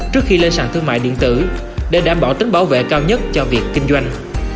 trước khi lên sàn thương mại điện tử để đảm bảo tính bảo vệ cao nhất cho việc kinh doanh